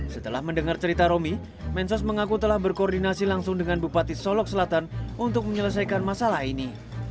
setelah mendengar cerita romi mensos mengaku telah berkoordinasi langsung dengan bupati solok selatan untuk menyelesaikan masalah ini